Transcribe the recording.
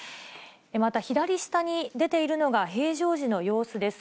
また、左下に出ているのが、平常時の様子です。